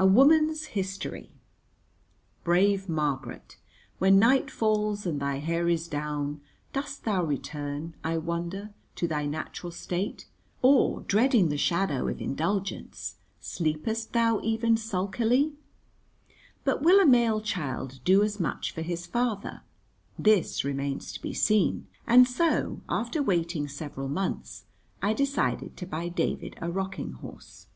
A woman's history. Brave Margaret, when night falls and thy hair is down, dost thou return, I wonder, to thy natural state, or, dreading the shadow of indulgence, sleepest thou even sulkily? But will a male child do as much for his father? This remains to be seen, and so, after waiting several months, I decided to buy David a rocking horse.